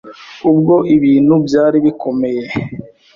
Ubwo ibintu byari bikomeye,